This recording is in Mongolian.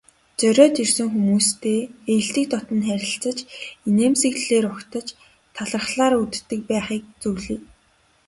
Зориод ирсэн хүмүүстэй эелдэг дотно харилцаж, инээмсэглэлээр угтаж, талархлаар үддэг байхыг зөвлөе.